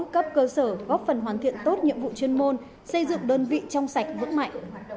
cấp cơ sở góp phần hoàn thiện tốt nhiệm vụ chuyên môn xây dựng đơn vị trong sạch vững mạnh